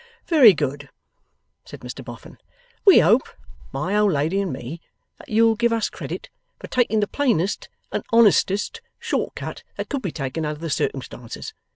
'Very good,' said Mr Boffin. 'We hope (my old lady and me) that you'll give us credit for taking the plainest and honestest short cut that could be taken under the circumstances.